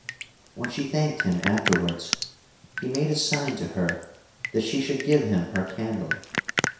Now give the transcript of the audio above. When she thanked him afterwards, he made a sign to her that she should give him her candle.